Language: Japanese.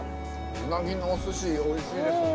うなぎのおすしおいしいですね。